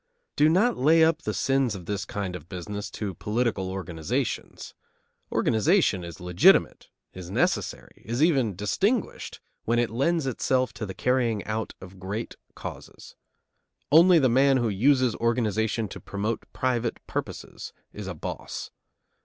Do not lay up the sins of this kind of business to political organizations. Organization is legitimate, is necessary, is even distinguished, when it lends itself to the carrying out of great causes. Only the man who uses organization to promote private purposes is a boss.